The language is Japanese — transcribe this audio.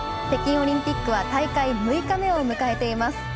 北京オリンピックは大会６日目を迎えています。